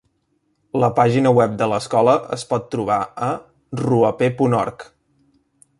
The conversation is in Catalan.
La pàgina web de l'escola es pot trobar a: roeper punt org.